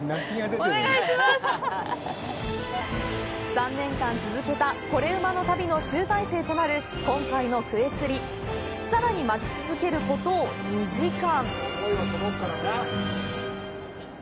３年間続けた「コレうまの旅」の集大成となる今回のクエ釣りさらに待ち続けること、２時間。